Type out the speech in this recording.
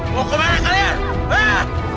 mau kemana kalian